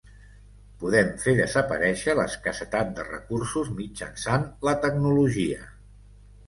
Podem fer desaparèixer l'escassetat de recursos mitjançant la tecnologia.